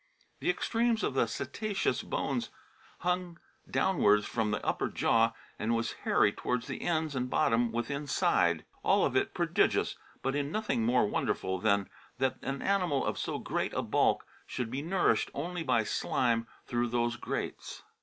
The extreames of the cetaceous bones hang downewards from the upper jaw, and was hairy towards the ends and bottom within side ; all of it prodigious, but in nothing more wonderfull than that an animal of so great a bulk should be nourished only by slime thro' those grates."